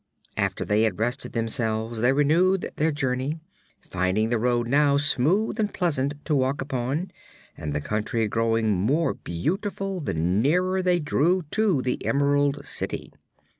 After they had rested themselves they renewed their journey, finding the road now smooth and pleasant to walk upon and the country growing more beautiful the nearer they drew to the Emerald City.